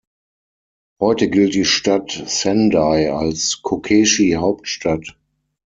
Heute gilt die Stadt Sendai als „Kokeshi-Hauptstadt“.